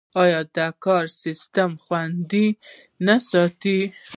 آیا دا کار سیستم خوندي نه ساتي؟